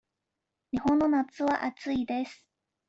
日本の夏は暑いです。